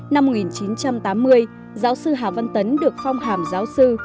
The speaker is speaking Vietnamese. năm một nghìn chín trăm tám mươi giáo sư hà văn tấn được phong hàm giáo sư